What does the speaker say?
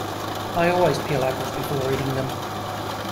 I always peel apples before eating them.